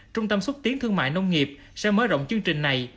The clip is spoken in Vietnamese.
trung tâm xuất tiến thương mại nông nghiệp sẽ mở rộng chương trình này